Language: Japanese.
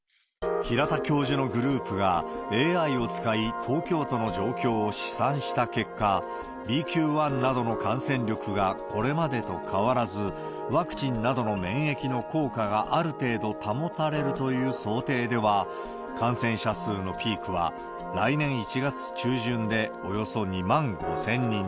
平田教授のグループがＡＩを使い、東京都の状況を試算した結果、ＢＱ．１などの感染力がこれまでと変わらず、ワクチンなどの免疫の効果がある程度保たれるという想定では、感染者数のピークは来年１月中旬で、およそ２万５０００人に。